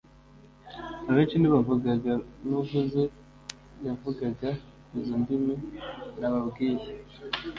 Abenshi ntibavugaga n’uvuze yavugaga izo ndimi nababwiye